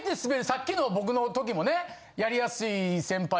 さっきの僕の時もねやりやすい先輩